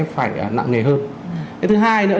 phải nặng nghề hơn thứ hai nữa